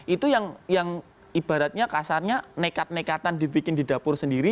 itu yang ibaratnya kasarnya nekat nekatan dibikin di dapur sendiri